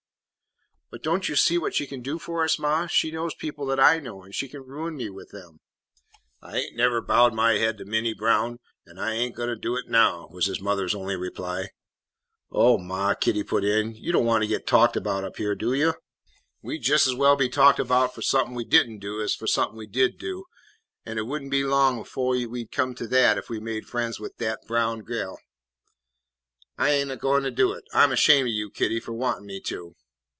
"But don't you see what she can do for us, ma? She knows people that I know, and she can ruin me with them." "I ain't never bowed my haid to Minty Brown an' I ain't a goin' to do it now," was his mother's only reply. "Oh, ma," Kitty put in, "you don't want to get talked about up here, do you?" "We 'd jes' as well be talked about fu' somep'n we did n't do as fu' somep'n we did do, an' it would n' be long befo' we 'd come to dat if we made frien's wid dat Brown gal. I ain't a goin' to do it. I 'm ashamed o' you, Kitty, fu' wantin' me to."